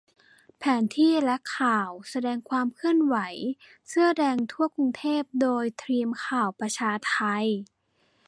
แผนที่และข่าว แสดงความเคลื่อนไหวเสื้อแดงทั่วกรุงเทพ โดยทีมข่าวประชาไท